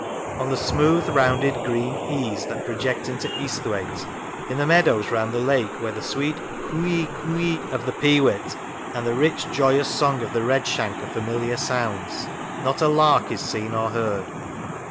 On the smooth rounded green " ees " that project into Esthwaite, in the meadows round the lake where the sweet " cooee cooee " of the peewit and the rich joyous song of the redshank are familiar sounds, not a lark is seen or heard.